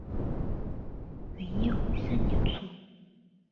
元佑三年卒。